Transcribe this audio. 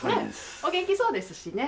お元気そうですしね。